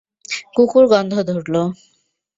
কুকুর গন্ধ ধরল।